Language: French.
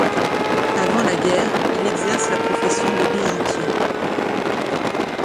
Avant la Guerre, il exerce la profession de bijoutier.